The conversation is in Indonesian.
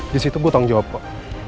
di situ gue tanggung jawab